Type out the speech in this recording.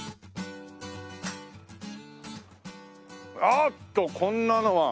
あーっとこんなのが！